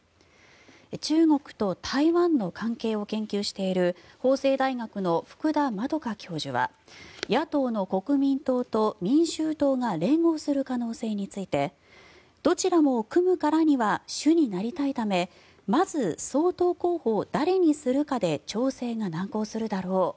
中国と台湾の関係を研究している法政大学の福田円教授は野党の国民党と民衆党が連合する可能性についてどちらも組むからには主になりたいためまず総統候補を誰にするかで調整が難航するだろう。